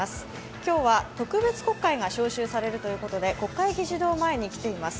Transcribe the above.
今日は特別国会が召集されるということで、国会議事堂前に来ています。